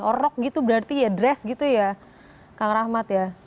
orok gitu berarti ya dress gitu ya kang rahmat ya